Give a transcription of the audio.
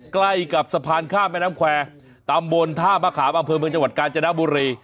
ใกล้กับสะพานข้ามแม่น้ำแควร์ตำบลท่ามะขามอำเภอเมืองจังหวัดกาญจนบุรี